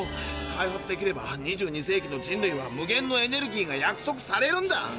開発できれば２２世紀の人類は無限のエネルギーが約束されるんだ！